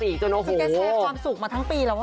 เรียกความสุขมาทั้งปีแล้วว่ะ